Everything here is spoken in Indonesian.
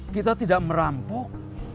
kita tidak merampok